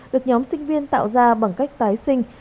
được nhóm sinh viên tạo ra bằng cách tái sinh